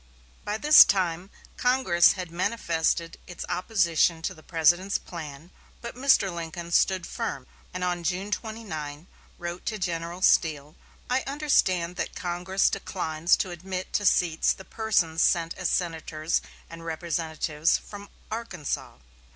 By this time Congress had manifested its opposition to the President's plan, but Mr. Lincoln stood firm, and on June 29 wrote to General Steele: "I understand that Congress declines to admit to seats the persons sent as senators and representatives from Arkansas.